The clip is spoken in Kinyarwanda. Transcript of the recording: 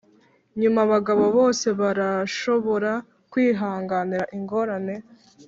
nyuma abagabo bose barashobora kwihanganira ingorane,